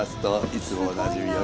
いつもおなじみの